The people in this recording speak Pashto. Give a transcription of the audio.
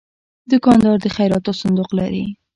دوکاندار د خیراتو صندوق لري.